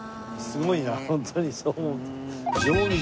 すごいなホントにそう思うと。